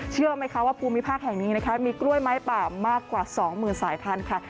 เชื่อไหมคะว่าภูมิภาคแห่งนี้นะคะมีกล้วยไม้ป่ามากกว่า๒๐๐๐สายพันธุ์ค่ะ